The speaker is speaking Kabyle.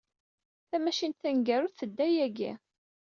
Tamacint taneggarut tedda yagi.